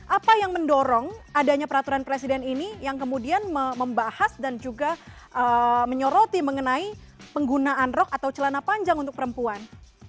apa yang mendorong adanya peraturan presiden ini yang kemudian membahas dan juga menyoroti mengenai penggunaan rok atau celana panjang untuk perempuan